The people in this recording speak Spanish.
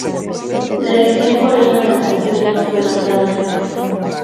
La edición coreana del sencillo no fue lanzada en físico.